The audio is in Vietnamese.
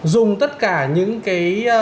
dùng tất cả những cái